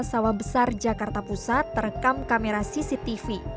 sawah besar jakarta pusat terekam kamera cctv